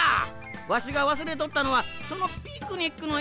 わしがわすれとったのはそのピクニックのやくそくや！